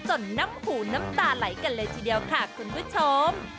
น้ำหูน้ำตาไหลกันเลยทีเดียวค่ะคุณผู้ชม